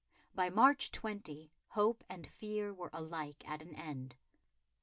By March 20 hope and fear were alike at an end.